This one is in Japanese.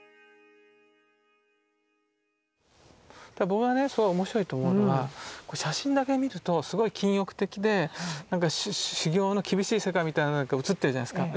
僕はねすごい面白いと思うのは写真だけ見るとすごい禁欲的で修行の厳しい世界みたいなのが写ってるじゃないですか。